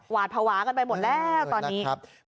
หวาดภาวะกันไปหมดแล้วตอนนี้